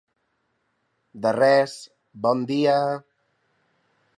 De res, bon dia!